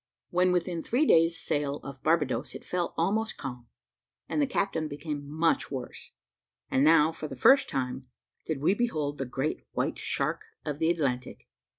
"When within three days' sail of Barbadoes, it fell almost calm, and the captain became much worse; and now, for the first time, did we behold the great white shark" of the Atlantic.